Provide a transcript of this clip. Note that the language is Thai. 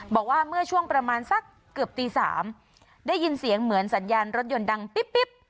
บอกว่าเมื่อช่วงประมาณสักเกือบตี๓ได้ยินเสียงเหมือนสัญญาณรถยนต์ดังปิ๊บ